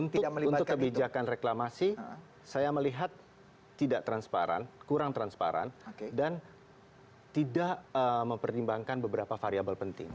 untuk kebijakan reklamasi saya melihat tidak transparan kurang transparan dan tidak mempertimbangkan beberapa variable penting